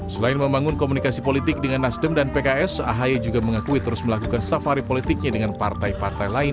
selain membangun komunikasi politik dengan nasdem dan pks ahy juga mengakui terus melakukan safari politiknya dengan partai partai lain